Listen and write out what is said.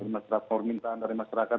permintaan dari masyarakat